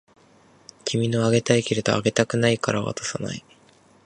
君のあげたいけれどあげたくないから渡さない